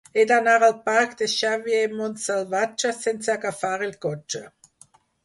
He d'anar al parc de Xavier Montsalvatge sense agafar el cotxe.